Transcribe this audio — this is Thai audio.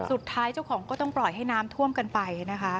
เจ้าของก็ต้องปล่อยให้น้ำท่วมกันไปนะคะ